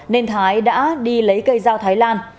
nên thái đã đi lấy cây dao thái lan